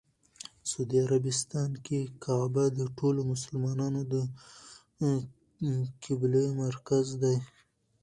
سعودي عربستان کې کعبه د ټولو مسلمانانو د قبله مرکز دی.